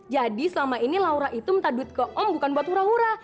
jadi selama ini laura itu minta duit ke om bukan buat hura hura